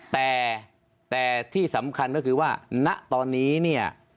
แต่ที่สำคัญก็คือว่าณตอนนี้เนี่ย